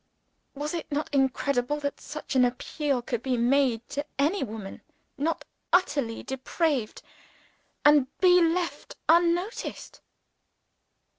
Was it not incredible that such an appeal could be made to any woman not utterly depraved and be left unnoticed?